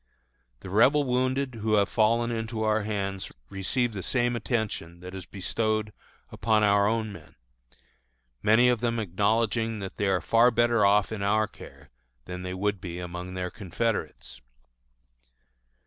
The Rebel wounded who have fallen into our hands receive the same attention that is bestowed upon our own men, many of them acknowledging that they are far better off in our care than they would be among their confederates.